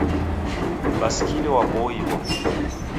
Baskili wapo oiw'a